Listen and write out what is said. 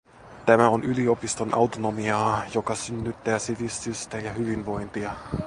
Tämä on yliopiston autonomiaa, joka synnyttää sivistystä ja hyvinvointia.